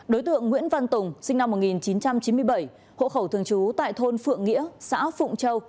đối tượng nguyễn văn tùng sinh năm một nghìn chín trăm chín mươi bảy hộ khẩu thường trú tại thôn phượng nghĩa xã phụng châu